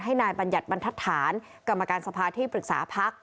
ให้นายบัญญัติบัณฑฐานกรรมการสภาที่ปรึกษาพัก